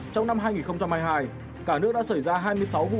trong năm hai nghìn hai mươi hai cả nước đã xảy ra hai mươi sáu vụ